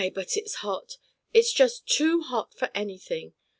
But it's hot! It is just too hot for anything!"